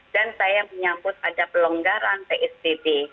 dan saya menyambut ada pelonggaran psbb